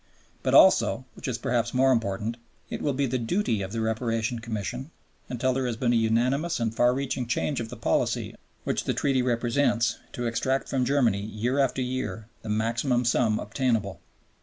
But also, which is perhaps more important, it will be the duty of the Reparation Commission, until there has been a unanimous and far reaching change of the policy which the Treaty represents, to extract from Germany year after year the maximum sum obtainable.